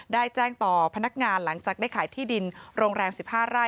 ได้แจ้งต่อพนักงานหลังจากได้ขายที่ดินโรงแรม๑๕ไร่